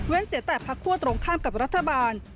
เสียแต่พักคั่วตรงข้ามกับรัฐบาล